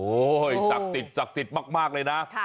โอ้ยศักดิ์สิทธิ์ศักดิ์สิทธิ์มากเลยนะ